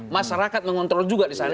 masyarakat mengontrol juga di sana